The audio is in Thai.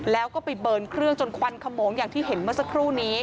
แล้วก็ไปเบิร์นเครื่องจนควันขโมงอย่างที่เห็นเมื่อสักครู่นี้